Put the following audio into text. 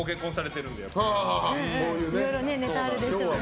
いろいろネタがあるでしょうね。